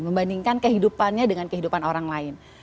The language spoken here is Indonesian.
membandingkan kehidupannya dengan kehidupan orang lain